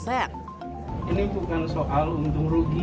ini bukan soal untung rugi